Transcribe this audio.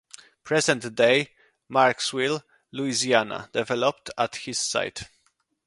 Present-day Marksville, Louisiana, developed at this site.